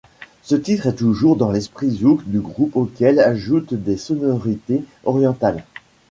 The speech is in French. Ce titre est toujours dans l'esprit Zouk du groupe auquel ajoutent des sonorités orientales.